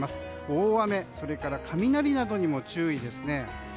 大雨、それから雷などに注意ですね。